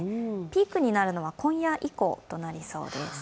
ピークになるのは今夜以降となりそうです。